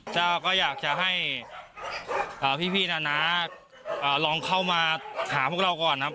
เจ้าก็อยากจะให้พี่นะลองเข้ามาหาพวกเราก่อนนะครับ